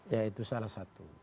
ya itu salah satu